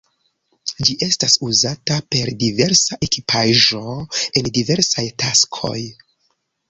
Ĝi estas uzata per diversa ekipaĵo, en diversaj taskoj.